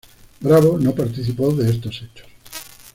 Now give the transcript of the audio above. Bravo no participó de estos hechos.